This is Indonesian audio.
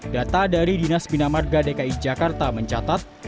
data dari dinas binamarga dki jakarta mencatat